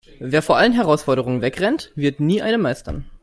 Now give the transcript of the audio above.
Wer vor allen Herausforderungen wegrennt, wird nie eine meistern.